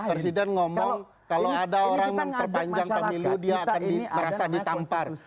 kalau presiden ngomong kalau ada orang yang menerbangkan pemilu dia akan merasa ditampar